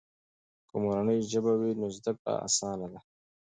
که مورنۍ ژبه وي، نو زده کړه آسانه ده.